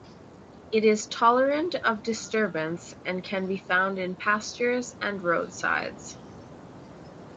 It is tolerant of disturbance and can be found in pastures and roadsides.